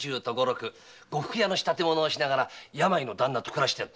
呉服屋の仕立て物をしながら病の旦那と暮らしている。